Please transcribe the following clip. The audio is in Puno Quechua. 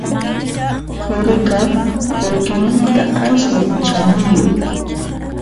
Quriqa qullqimanta aswan chaniyuq